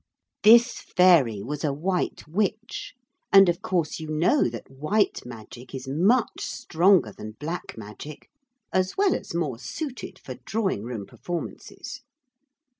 This Fairy was a White Witch, and of course you know that White Magic is much stronger than Black Magic, as well as more suited for drawing room performances.